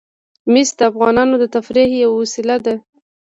مس د افغانانو د تفریح یوه وسیله ده.